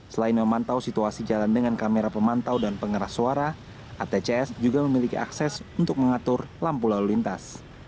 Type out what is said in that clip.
selain memantau situasi jalan dengan kamera pemantau dan pengeras suara atcs juga memiliki akses untuk mengatur lampu lalu lintas